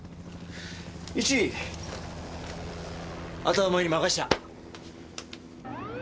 イチあとはお前に任せた。